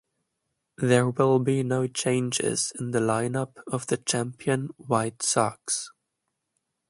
There will be no changes in the lineup of the Champion White Sox.